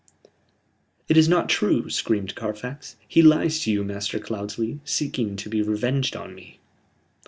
"It is not true," screamed Carfax. "He lies to you, Master Cloudesley, seeking to be revenged on me."